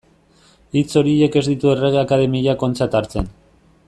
Hitz horiek ez ditu Errege Akademiak ontzat hartzen.